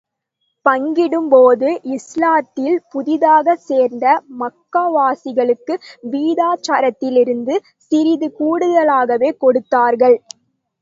பங்கிடும் போது, இஸ்லாத்தில் புதிதாகச் சேர்ந்த மக்காவாசிகளுக்கு வீதாச்சாரத்திலிருந்து சிறிது கூடுதலாகவே கொடுத்தார்கள்.